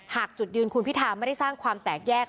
จุดยืนคุณพิธาไม่ได้สร้างความแตกแยก